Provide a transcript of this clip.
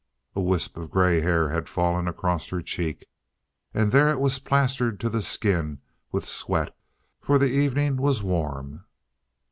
A wisp of gray hair had fallen across her cheek, and there it was plastered to the skin with sweat, for the evening was, warm.